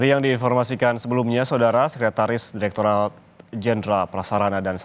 iya karena itu pun di